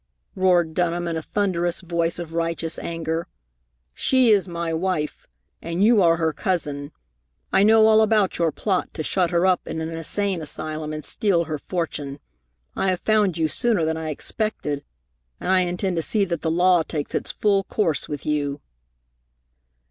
roared Dunham, in a thunderous voice of righteous anger. "She is my wife. And you are her cousin. I know all about your plot to shut her up in an insane asylum and steal her fortune. I have found you sooner than I expected, and I intend to see that the law takes its full course with you."